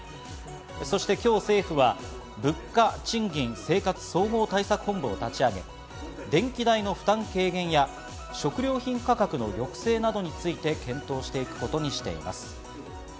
そして今日、政府は物価・賃金・生活総合対策本部を立ち上げ、電気代の負担軽減や食料品価格の抑制などについて検討していくことにしています。